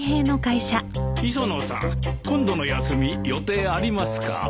磯野さん今度の休み予定ありますか？